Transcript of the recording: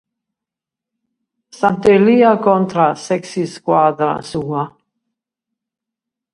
Sant'Elia contra a s'ex-iscuadra sua.